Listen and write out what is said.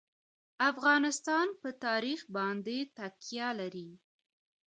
افغانستان په تاریخ باندې تکیه لري.